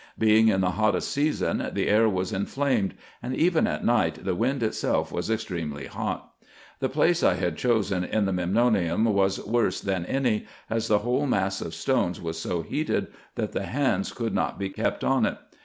Being in the hottest season, the air was inflamed ; and even at night the wind itself was extremely hot. The place I had chosen in the Memnonium was worse than any, as the whole mass of stones was so heated, that the hands could not be kept on it.